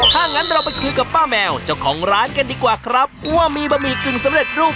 ถ้างั้นเราไปคุยกับป้าแมวเจ้าของร้านกันดีกว่าครับว่ามีบะหมี่กึ่งสำเร็จรูป